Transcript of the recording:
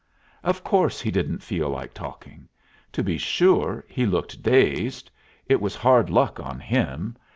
Of course he didn't feel like talking. To be sure he looked dazed. It was hard luck on him.